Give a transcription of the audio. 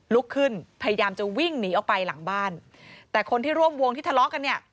ลุกขึ้นพยายามจะวิ่งหนีออกไปหลังบ้านแต่คนที่ร่วมวงที่ทะเลาะกันเนี่ย